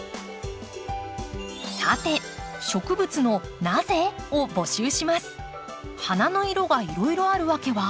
さて植物の「なぜ？」を募集します。